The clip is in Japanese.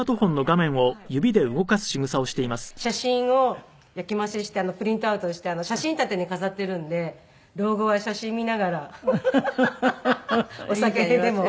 だから写真を焼き増ししてプリントアウトして写真立てに飾ってるんで老後は写真見ながらハハハハお酒でも。